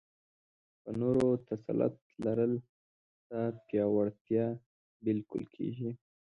په نورو تسلط لرل ستا پیاوړتیا بلل کېږي.